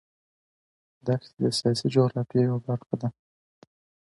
دښتې د سیاسي جغرافیه یوه برخه ده.